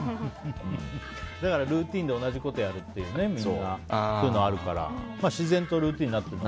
だからルーティンで同じことをやるというのはあるから自然とルーティンになってる。